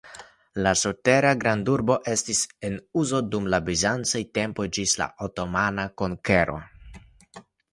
La subtera grandurbo estis en uzo dum la bizancaj tempoj ĝis la otomana konkero.